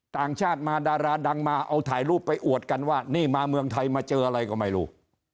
ต่างชาติมาดาราดังมาเอาถ่ายรูปไปอวดกันว่านี่มาเมืองไทยมาเจออะไรก็ไม่รู้